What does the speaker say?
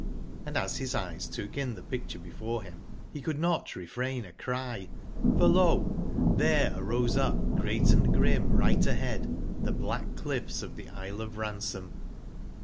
Hndasbis eyes took in tbe picture before bim be could not refrain a cry ; for lo t there arose up great & grim right ahead the black clifFe of thclsleofRansom.